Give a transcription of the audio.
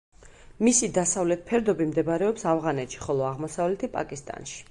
მისი დასავლეთ ფერდობი მდებარეობს ავღანეთში, ხოლო აღმოსავლეთი პაკისტანში.